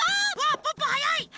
ポッポはやい！